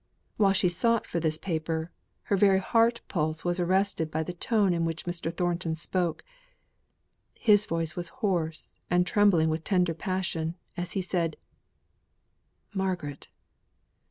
While she sought for this paper, her very heart pulse was arrested by the tone in which Mr. Thornton spoke. His voice was hoarse, and trembling with tender passion, as he said: "Margaret!"